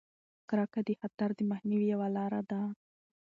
کرکه د خطر د مخنیوي یوه لاره ده.